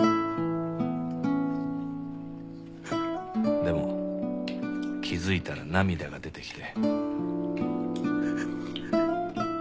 でも気づいたら涙が出てきて。